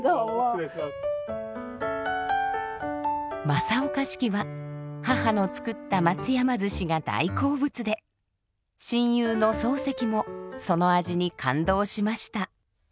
正岡子規は母の作った松山鮓が大好物で親友の漱石もその味に感動しました。